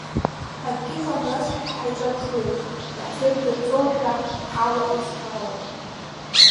Акгьы ҟамлазшәа ҳаиҿаԥшуеит, даҳзымдырӡоушәа ҳауа изхароу!